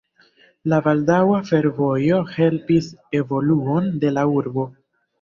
La baldaŭa fervojo helpis evoluon de la urbo.